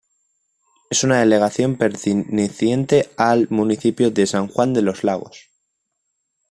Es una delegación perteneciente al municipio de san juan de los lagos.